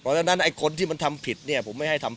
ดังนั้นไอ้คนที่มันทำผิดเนี่ยผมไม่ให้ทำ